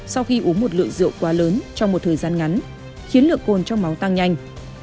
sau khi uống một lượng rượu quá lớn trong một thời gian ngắn khiến lượng cồn trong máu tăng nhanh